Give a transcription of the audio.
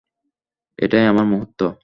এটাই আমার মুহূর্ত।